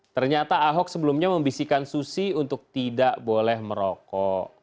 ternyata ahok sebelumnya membisikkan susi untuk tidak boleh merokok